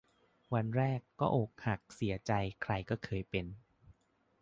วันแรก ก็อกหัก เสียใจ ใครก็เคยเป็น